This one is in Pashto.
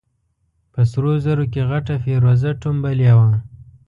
په سرو زرو کې غټه فېروزه ټومبلې وه.